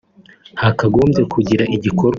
hakagombye kugira igikorwa